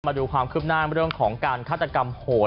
มาดูความคืบหน้าเรื่องของการฆาตกรรมโหด